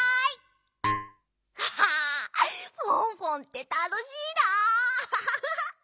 あフォンフォンってたのしいな。